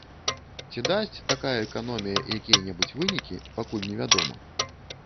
Ці дасць такая эканомія якія-небудзь вынікі, пакуль невядома.